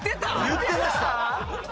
言ってました。